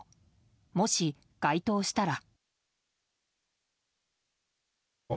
もし、該当したら。